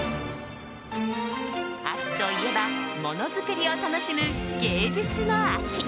秋といえばもの作りを楽しむ芸術の秋。